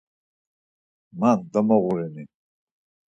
Man domoğurini.